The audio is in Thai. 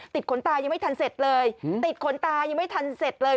ขนตายังไม่ทันเสร็จเลยติดขนตายังไม่ทันเสร็จเลย